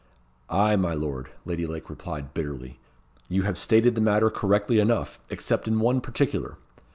"Ay, my lord," Lady Lake replied, bitterly. "You have stated the matter correctly enough, except in one particular.